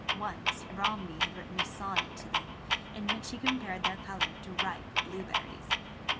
Once Romney had written a sonnet to them in which he compared their colour to ripe blueberries.